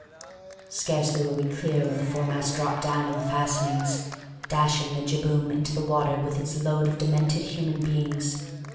Scarcely were we clear when the foremast dropped down on the fastenings, dashing the jib boom into the water with its load of demented human beings.